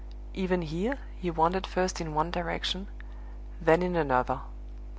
Even here, he wandered first in one direction, then in another.